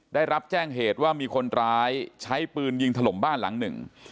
ได้รับแจ้งเหตุว่ามีคนร้ายใช้ปืนยิงถล่มบ้านหลังหนึ่ง